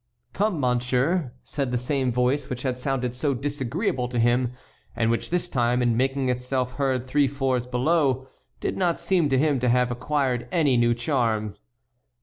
"Come, monsieur," said the same voice which had sounded so disagreeable to him, and which this time, in making itself heard three floors below, did not seem to him to have acquired any new charm.